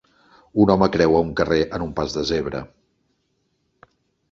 Un home creua un carrer en un pas de zebra.